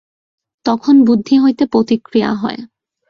তখন বুদ্ধি হইতে প্রতিক্রিয়া হয়।